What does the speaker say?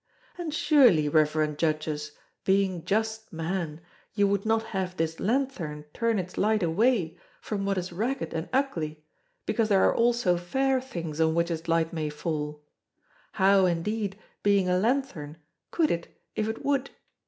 And surely, reverend Judges, being just men, you would not have this lanthorn turn its light away from what is ragged and ugly because there are also fair things on which its light may fall; how, indeed, being a lanthorn, could it, if it would?